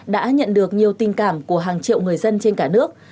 đã nhận được nhiều tình cảm của hàng triệu người dân trên cả nước